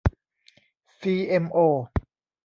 ซีเอ็มโอ